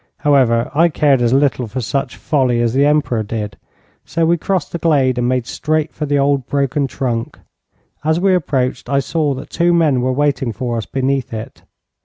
However, I cared as little for such folly as the Emperor did, so we crossed the glade and made straight for the old broken trunk. As we approached, I saw that two men were waiting for us beneath it.